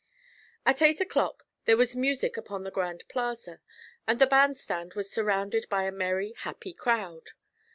At eight o'clock there was music upon the Grand Plaza, and the band stand was surrounded by a merry, happy crowd.